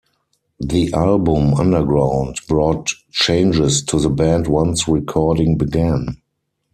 The album, "Underground", brought changes to the band once recording began.